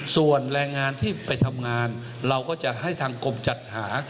ส่วนแรงงานที่ไปทำงานเราก็จะให้ทางกรมจัดหา